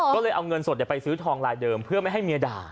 ก็เลยเอาเงินสดไปซื้อทองลายเดิมเพื่อไม่ให้เมียด่า